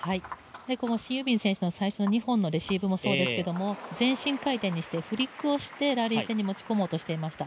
このシン・ユジン選手の最初の２本のレシーブもそうですけれども、前進回転にしてフリックをしてラリー戦に持ち込もうとしていました。